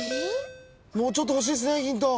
もうちょっと欲しいっすねヒント。